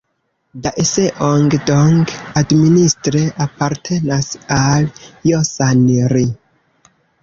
Daeseong-dong administre apartenas al Josan-ri.